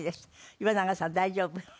岩永さん大丈夫？